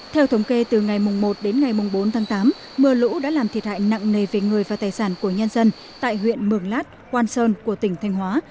theo thống kê từ ngày một đến ngày bốn tháng tám mưa lũ đã làm thiệt hại nặng nề về người và tài sản của nhân dân tại huyện mường lát quan sơn của tỉnh thanh hóa